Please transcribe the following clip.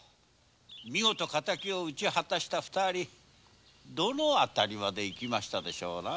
見事敵を討ち果たした二人どの辺りまで行きましたでしょうな？